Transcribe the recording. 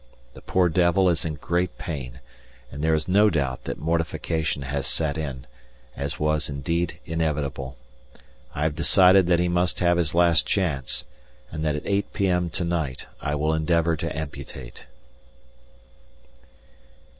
The poor devil is in great pain, and there is no doubt that mortification has set in, as was indeed inevitable. I have decided that he must have his last chance, and that at 8 p.m. to night I will endeavour to amputate.